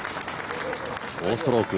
４ストローク。